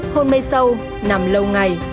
hôn mây sâu nằm lâu ngày